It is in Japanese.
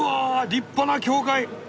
立派な教会！